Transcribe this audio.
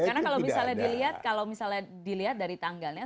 karena kalau misalnya dilihat kalau misalnya dilihat dari tanggalnya